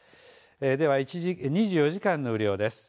では２４時間の雨量です。